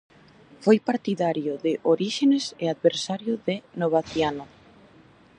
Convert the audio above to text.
Foi partidario de Oríxenes e adversario de Novaciano.